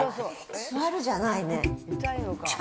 座るじゃないね。